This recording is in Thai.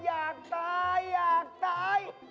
อยากตายอยากตาย